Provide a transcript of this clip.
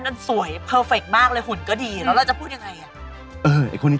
มันเป็นอะไร